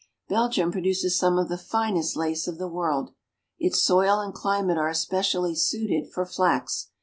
Belgium produces some of the finest lace of the world. Its soil and climate are especially suited for flax.